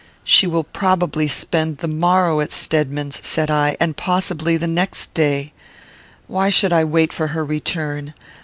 "She will probably spend the morrow at Stedman's," said I, "and possibly the next day. Why should I wait for her return?